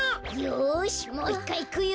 よしもう１かいいくよ！